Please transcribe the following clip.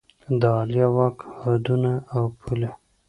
د عالیه واک حدونه او پولې